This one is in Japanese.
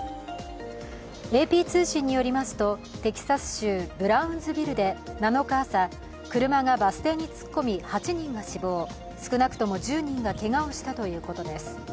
ＡＰ通信によりますとテキサス州ブラウンズビルで７日朝、車がバス停に突っ込み８人が死亡、少なくとも１０人がけがをしたということです。